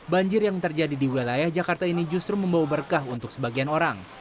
banjir yang terjadi di wilayah jakarta ini justru membawa berkah untuk sebagian orang